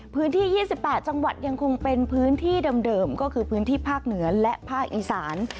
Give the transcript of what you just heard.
พื้นที่๒๘จังหวัดยังคงเป็นพื้นที่เดิมก็คือพื้นที่ภาคเหนือและภาคอีสาน